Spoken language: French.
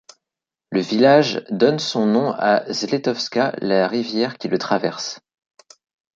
Le village donne son nom à la Zletovska, la rivière qui le traverse.